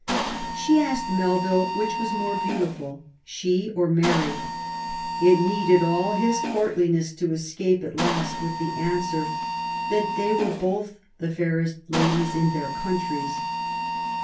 She asked Melville which was most beautiful, she or Mary. It needed all his courtliness to escape at last with the answer that they were both the fairest ladies in their countries".